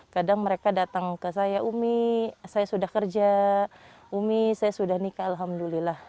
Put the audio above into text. kadang mereka datang ke saya umi saya sudah kerja umi saya sudah nikah alhamdulillah